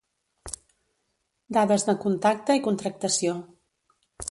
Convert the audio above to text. Dades de contacte i contractació.